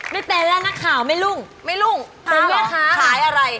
ไม่เป็นแล้วนักข่าวไม่รุ่งห้าเหรอขายอะไร